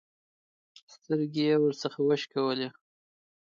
سترګې يې ورڅخه وشکولې.